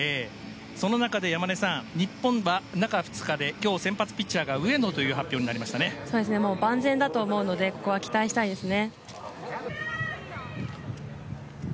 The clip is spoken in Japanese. その中で山根さん日本は中２日で先発ピッチャーが万全だと思うのでここは期待したいですね。